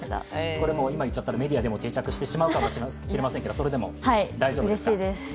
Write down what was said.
これ今言っちゃったらメディアでも定着しちゃうかもしれないですけど、それでも大丈夫ですか？